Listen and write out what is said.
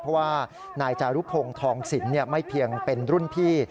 เพราะว่านายจารุพงศ์ทองสินไม่เพียงเป็นรุ่นพี่